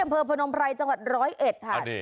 อำเภอพนมไพรจังหวัดร้อยเอ็ดฐาน